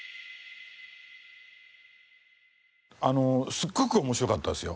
すっごく面白かったですよ。